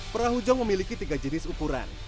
perahu jong memiliki tiga jenis ukuran